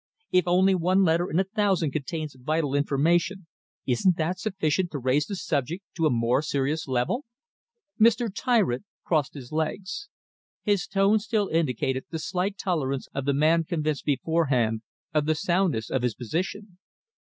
If only one letter in a thousand contains vital information, isn't that sufficient to raise the subject to a more serious level?" Mr. Tyritt crossed his legs. His tone still indicated the slight tolerance of the man convinced beforehand of the soundness of his position.